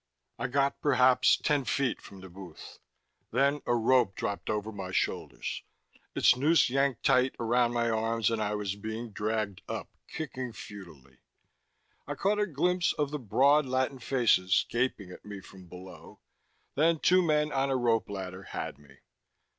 I got perhaps ten feet from the booth. Then a rope dropped over my shoulders. Its noose yanked tight around my arms, and I was being dragged up, kicking futilely. I caught a glimpse of the broad Latin faces gaping at me from below, then two men on a rope ladder had me.